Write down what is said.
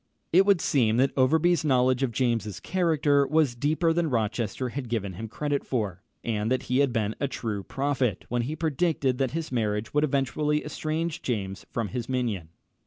It would seem that Overbury's knowledge of James's character was deeper than Rochester had given him credit for, and that he had been a true prophet when he predicted that his marriage would eventually estrange James from his minion.